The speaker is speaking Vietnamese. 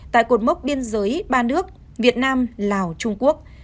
tại cột mốc biên giới ba nước việt nam lào trung quốc